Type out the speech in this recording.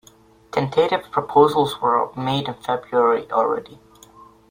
Tentative proposals were made in February already.